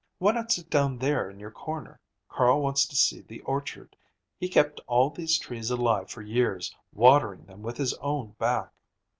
"Why not sit down there in your corner? Carl wants to see the orchard. He kept all these trees alive for years, watering them with his own back."